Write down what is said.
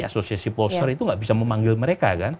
asosiasi pollster itu nggak bisa memanggil mereka